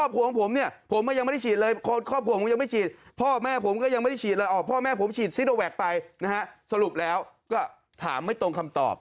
คนหนึ่งฉีดแอสตาร์อีก